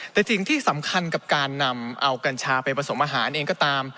แต่สิ่งที่สำคัญกับการนำเอากัญชาไปผสมอาหารเองก็ตาม